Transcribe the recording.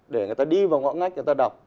để người ta đi vào ngõ ngách người ta đọc